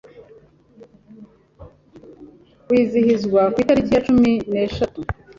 wizihizwa ku itariki ya cumi neshatu